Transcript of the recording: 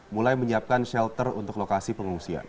mulai menyiapkan shelter untuk lokasi pengungsian